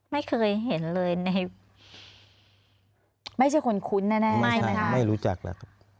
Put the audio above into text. ไม่เคยเห็นเลยในไม่เชื่อคนคุ้นแน่ไม่ใช่ไม่รู้จักแหละ